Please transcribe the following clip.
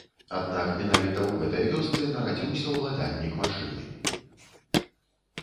Аднак менавіта ў гэтай вёсцы нарадзіўся ўладальнік машыны.